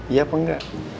iya apa enggak